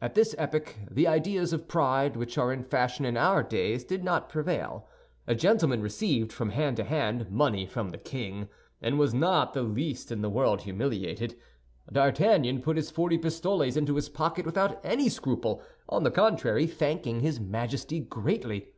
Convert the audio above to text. At this epoch, the ideas of pride which are in fashion in our days did not prevail. A gentleman received, from hand to hand, money from the king, and was not the least in the world humiliated. D'Artagnan put his forty pistoles into his pocket without any scruple—on the contrary, thanking his Majesty greatly.